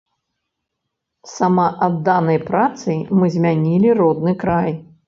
Самаадданай працай мы змянілі родны край.